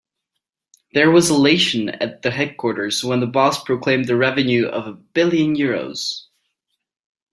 There was elation at the headquarters when the boss proclaimed the revenue of a billion euros.